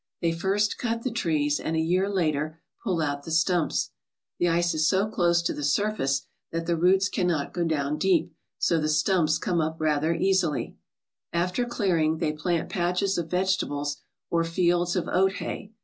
They first cut the trees and a year later pull out the stumps. The ice is so close to the surface that the roots cannot go down deep, so the stumps come up rather easily, After clearing, they plant patches of vegetables or fields of oat hay.